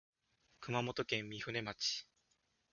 熊本県御船町